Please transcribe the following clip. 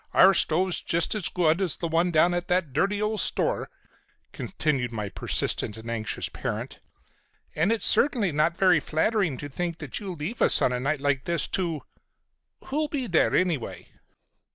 Our stove's just as good as the one down at that dirty old store," continued my persistent and anxious parent, "and it's certainly not very flattering to think that you leave us on a night like this to—Who'll be there, anyway?"